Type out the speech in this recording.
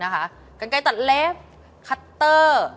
กันไกลตัดเล็บคัตเตอร์